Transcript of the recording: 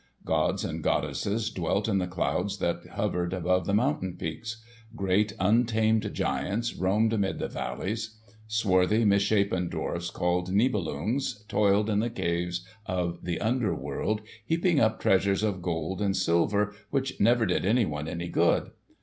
Gods and goddesses dwelt in the clouds that hovered about the mountain peaks. Great untamed giants roamed amid the valleys. Swarthy, misshapen dwarfs, called Nibelungs[#], toiled in the caves of the under world heaping up treasures of gold and silver which never did anyone any good.